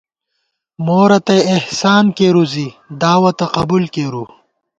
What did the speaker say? مورتئ احسان کېروؤ زی دعوَتہ قبُول کېروؤ